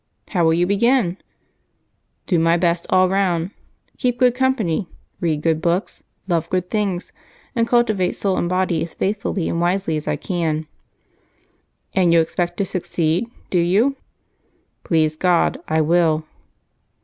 "How will you begin?" "Do my best all round keep good company, read good books, love good things, and cultivate soul and body as faithfully and wisely as I can." "And you expect to succeed, do you?" "Please God, I will."